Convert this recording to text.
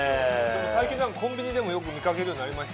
最近コンビニでもよく見かけるようになりましたね。